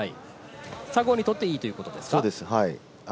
佐合にとっていいということですか？